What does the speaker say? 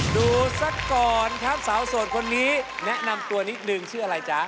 ดูสักก่อนครับสาวโสดคนนี้แนะนำตัวนิดนึงชื่ออะไรจ๊ะ